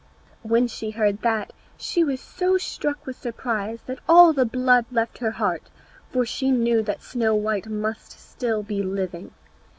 When she heard that she was so struck with surprise that all the blood left her heart, for she knew that Snow white must still be living.